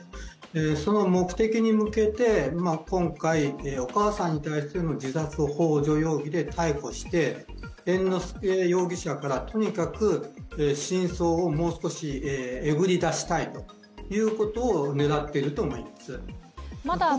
その目的に向けて、今回お母さんに対する自殺ほう助容疑で逮捕して、猿之助容疑者からとにかく真相をもう少しえぐり出したいということを狙っていると思います。